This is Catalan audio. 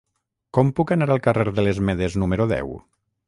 Com puc anar al carrer de les Medes número deu?